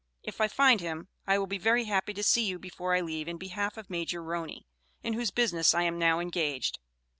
If I find him I will be very happy to see you before I leave in behalf of Major Roney, in whose business I am now engaged.